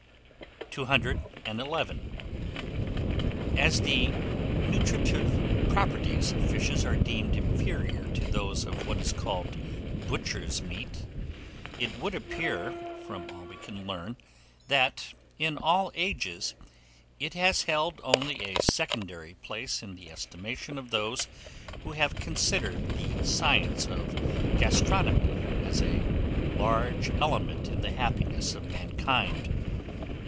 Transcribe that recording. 211. AS THE NUTRITIVE PROPERTIES OF FISH are deemed inferior to those of what is called butchers' meat, it would appear, from all we can learn, that, in all ages, it has held only a secondary place in the estimation of those who have considered the science of gastronomy as a large element in the happiness of mankind.